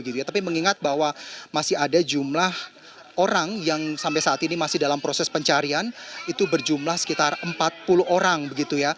tapi mengingat bahwa masih ada jumlah orang yang sampai saat ini masih dalam proses pencarian itu berjumlah sekitar empat puluh orang